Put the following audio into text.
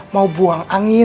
mau buang angin